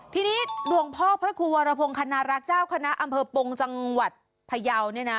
ทีนี้หลวงพ่อพระครูวรพงศ์คณรักษ์เจ้าคณะอำเภอปงจังหวัดพยาวเนี่ยนะ